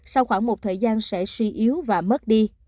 sau khoảng một thời gian sẽ suy yếu và mất đi